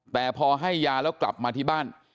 แต่พอให้ยาแล้วกลับมาที่บ้าน